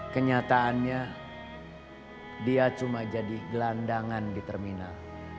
kenyataannya dia cuma jadi gelandangan di terminal